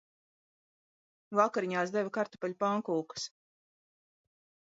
Vakariņās deva kartupeļu pankūkas.